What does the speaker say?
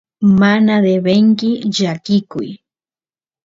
mana devenki llakikuy